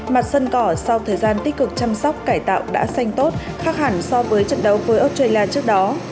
mặt sân cỏ sau thời gian tích cực chăm sóc cải tạo đã xanh tốt khác hẳn so với trận đấu với australia trước đó